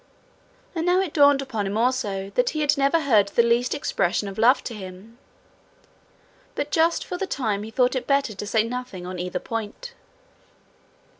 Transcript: And now it dawned upon him also that he had never heard the least expression of love to him. But just for the time he thought it better to say nothing on either point.